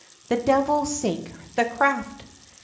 The devil sink the craft!